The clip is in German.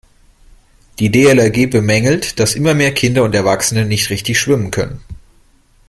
Die DLRG bemängelt, dass immer mehr Kinder und Erwachsene nicht richtig schwimmen können.